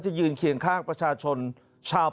ยืนเคียงข้างประชาชนชาว